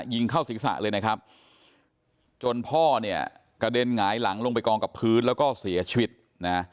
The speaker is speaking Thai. ยิงเข้าศีรษะเลยนะครับจนพ่อเนี่ยกระเด็นหงายหลังลงไปกองกับพื้นแล้วก็เสียชีวิตนะ